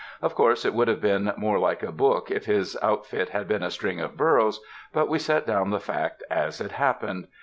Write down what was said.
Of course it would have been more like a book if his outfit had been a string of burros, but we set down the fact as it happened.